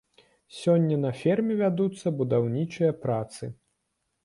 Сёння на ферме вядуцца будаўнічыя працы.